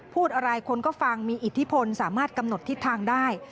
พูดอะไรคนก็ฟังมีอิทธิพลสามารถกำหนดทิศทางได้